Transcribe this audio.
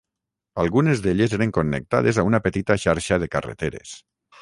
Algunes d'elles eren connectades a una petita xarxa de carreteres.